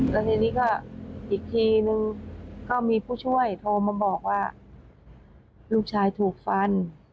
แล้วทีนี้ก็อีกทีนึงก็มีผู้ช่วยโทรมาบอกว่าลูกชายถูกฟัน